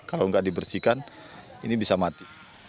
kalau nggak dibersihkan ini bisa mati